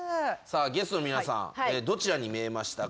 ゲストの皆さんどちらに見えましたか？